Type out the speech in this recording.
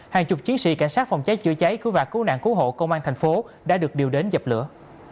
hàng chục chiến sĩ cảnh sát phòng cháy chữa cháy cứu và cứu nạn cứu hộ công an thành phố đã được điều đến dập lửa